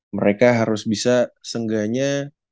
mereka harus bisa seenggaknya